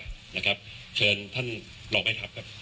นะครับเชิญท่านรองใหม่ทัพครับ